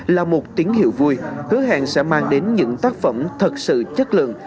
là một tiếng hiệu vui hứa hẹn sẽ mang đến những tác phẩm thật sự chất lượng